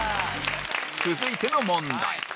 続いての問題